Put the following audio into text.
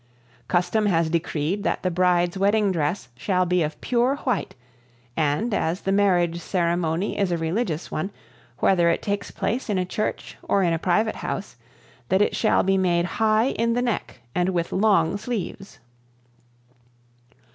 Custom has decreed that the bride's wedding dress shall be of pure white, and, as the marriage ceremony is a religious one, whether it takes place in a church or in a private house, that it shall be made high in the neck and with long sleeves.